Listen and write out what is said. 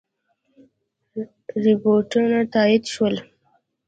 رپوټونه تایید شول.